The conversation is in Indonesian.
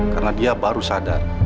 karena dia baru sadar